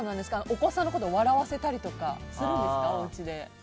お子さんのことを笑わせたりとかするんですかおうちで。